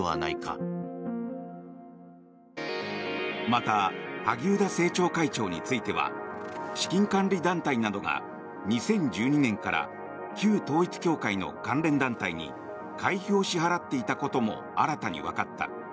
また萩生田政調会長については資金管理団体などが２０１２年から旧統一教会の関連団体に会費を支払っていたことも新たにわかった。